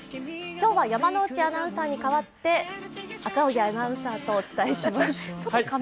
今日は山内アナウンサーに代わって赤荻アナウンサーとお伝えします。